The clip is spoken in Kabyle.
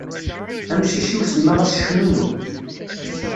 Amcic-iw semmaɣ-as cnunnu.